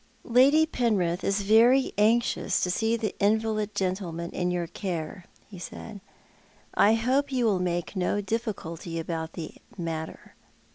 " Lady Penrith is very anxious to see the invalid gentleman in your care," he said. " I hope you will make no difficulty about the matter."